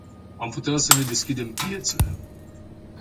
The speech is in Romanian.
Am putea să ne deschidem piețele.